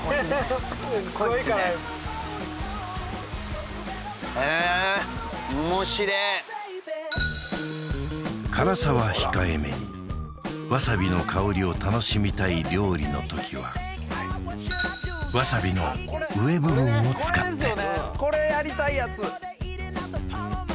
すごいねすごいっすねすごい辛いええ面白え辛さは控えめにわさびの香りを楽しみたい料理の時はわさびの上部分を使ってこれやりたいやつ！